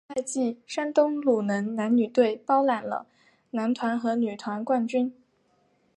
本赛季山东鲁能男女队包揽了男团和女团冠军。